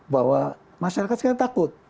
bahwa masyarakat sekarang takut